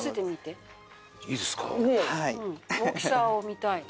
大きさを見たい。